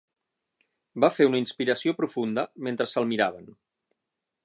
Va fer una inspiració profunda mentre se'l miraven.